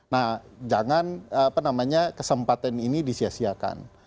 nah jangan kesempatan ini disiasiakan